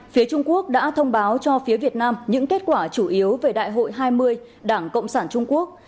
phía trung quốc đã thông báo cho phía việt nam những kết quả chủ yếu về đại hội hai mươi đảng cộng sản trung quốc